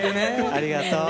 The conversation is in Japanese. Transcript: ありがとう。